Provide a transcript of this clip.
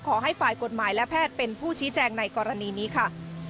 ขอให้ฝ่ายกฎหมายและแพทย์เป็นผู้ชี้แจงในกรณีนี้ค่ะ